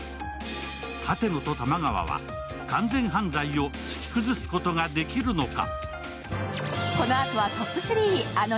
舘野と玉川は完全犯罪を突き崩すことができるのか。